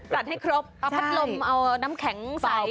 สัดให้ครบปะปัดลมเอาน้ำแข็งใส